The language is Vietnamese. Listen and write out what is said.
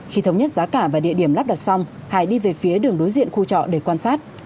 khi thống nhất giá cả và địa điểm lắp đặt xong hải đi về phía đường đối diện khu trọ để quan sát